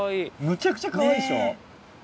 むちゃくちゃかわいいでしょ。